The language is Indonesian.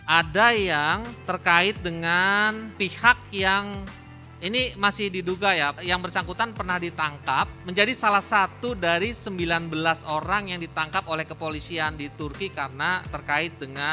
ada yang terkait dengan pihak yang ini masih diduga ya yang bersangkutan pernah ditangkap menjadi salah satu dari sembilan belas orang yang ditangkap oleh kepolisian di turki karena terkait dengan